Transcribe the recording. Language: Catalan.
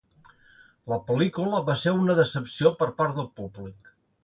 La pel·lícula va ser una decepció per part del públic.